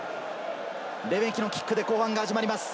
レメキのキックで後半が始まります。